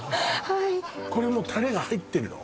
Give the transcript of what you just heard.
はいこれもうタレが入ってるの？